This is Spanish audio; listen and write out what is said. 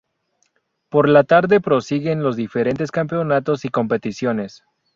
Por la tarde prosiguen los diferentes campeonatos y competiciones.